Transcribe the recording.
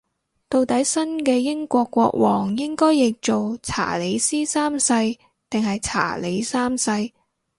到底新嘅英國國王應該譯做查理斯三世定係查理三世